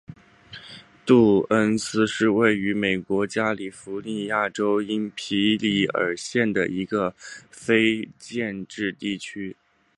杜恩斯是位于美国加利福尼亚州因皮里尔县的一个非建制地区。